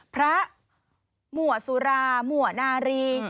พระมัวสุรามัวนารี